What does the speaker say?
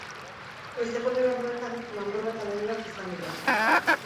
Goizeko lehen orduetan, lanbroa eta lainoak izan dira.